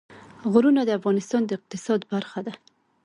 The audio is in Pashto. غرونه د افغانستان د اقتصاد برخه ده.